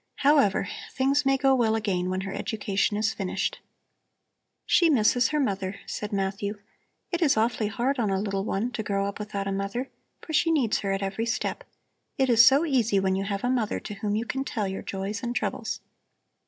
However, things may go well again when her education is finished." "She misses her mother," said Matthew. "It is awfully hard on a little one to grow up without a mother, for she needs her at every step. It is so easy when you have a mother to whom you can tell your joys and troubles."